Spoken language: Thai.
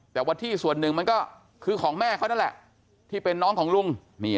แต่ว่าที่ส่วนหนึ่งมันก็คือของแม่เขานั่นแหละที่เป็นน้องของลุง